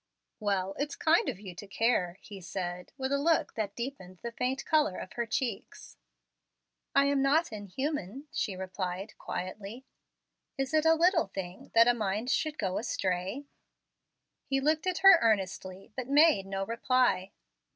"Well, it's kind of you to care," he said, with a look that deepened the faint color of her cheeks. "I am not inhuman," she replied quietly. "Is it a little thing that a mind should go astray?" He looked at her earnestly, but made no reply.